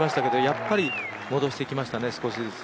やっぱり戻してきましたね、少しずつ。